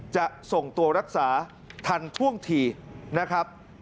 จะส่งตัวรักษาทันท่วงทีนะครับ